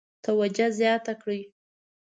توجه زیاته کړي.